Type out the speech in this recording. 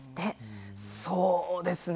そうですね。